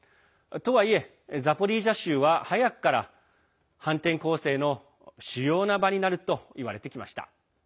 とはいえザポリージャ州は早くから反転攻勢の主要な場になるといわれてきました。